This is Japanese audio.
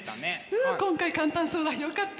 うん今回簡単そうだ。よかったね。